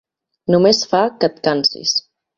Només fa que et cansis.